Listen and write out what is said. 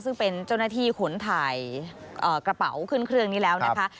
ซึ่งเป็นเจ้าหน้าที่ขนถ่ายกระเป๋าขึ้นเครื่องนี้แล้วนะคะ